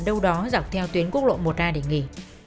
đâu đó dọc theo tuyến quốc lộ một a để nghỉ